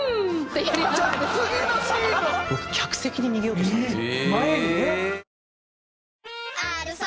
僕客席に逃げようとしたんですよ。